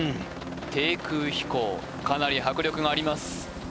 低空飛行かなり迫力があります